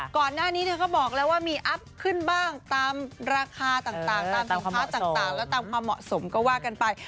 ก่อนหน้านี้เธอก็บอกแล้วว่ามีอัพขึ้นบ้างตามราคาต่างตามสินค้าต่างแล้วตามความเหมาะสมก็ว่ากันไป